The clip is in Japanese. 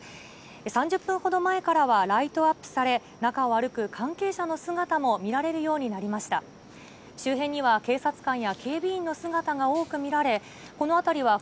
３０分ほど前からはライトアップされ、中を歩く関係者の姿も見られるようになりました。